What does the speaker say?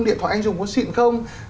điện thoại anh dùng có xịn không